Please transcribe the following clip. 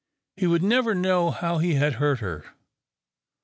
He would never know how he had hurt her.